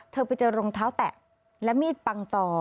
ไปเจอรองเท้าแตะและมีดปังต่อ